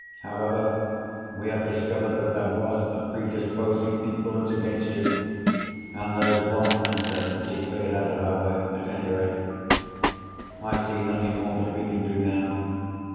However, we have discovered that there was a predisposing influence against you—and there is one uncertainty cleared out of our way, at any rate. I see nothing more that we can do now.